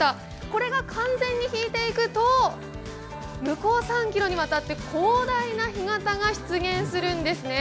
これが完全に引いていくと向こう３ｋｍにわたって広大な干潟が出現するんですね。